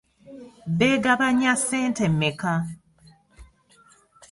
Beegabanya ssente mmeka?